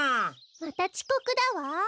またちこくだわ。